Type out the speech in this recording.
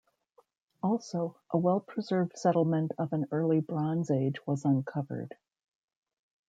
Also a well-preserved settlement of an early bronze age was uncovered.